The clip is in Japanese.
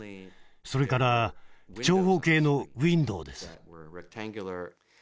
それから長方形のウインドーです。